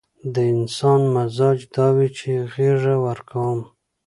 د انسان مزاج دا وي چې غېږه ورکوم.